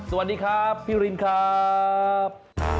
สวัสดีครับพี่รินครับ